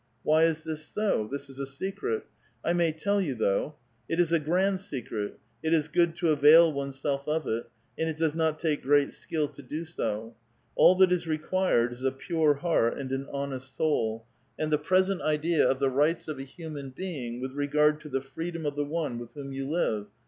Why is this so? This is a secret ; I may tell you though. It is a grand secret ; it is good to avail oneself of it, and it does not take gi'eat skill to do so. All that is required is a pure heart and an honest soul, and the present idea of the rights of a human being with regard to the freedom of the one with whom you live.